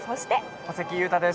小関裕太です。